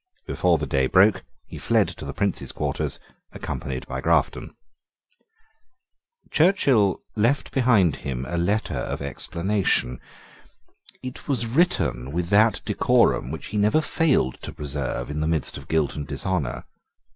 Before the day broke he fled to the Prince's quarters, accompanied by Grafton. Churchill left behind him a letter of explanation. It was written with that decorum which he never failed to preserve in the midst of guilt and dishonour.